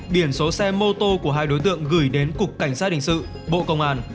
biển số xe mô tô của hai đối tượng gửi đến cục cảnh sát hình sự bộ công an